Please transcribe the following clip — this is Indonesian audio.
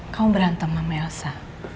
kamu berantem sama elsa